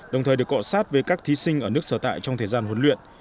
đồng thời được cọ sát với các thí sinh ở nước sở tại trong thời gian huấn luyện